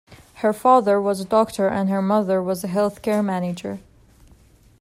Her father was a doctor and her mother was a health care manager.